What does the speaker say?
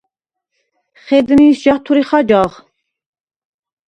ხედ ნინს ჯათვრიხ აჯაღ?